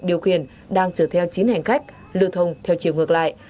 điều khiển đang chở theo chín hành khách lưu thông theo chiều ngược lại